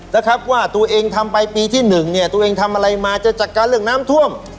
นะครับว่าตัวเองทำไปปีที่หนึ่งเนี่ยตัวเองทำอะไรมาจะจัดการเรื่องน้ำท่วม